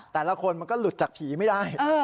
แต่ละคนมันก็หลุดจากผีไม่ได้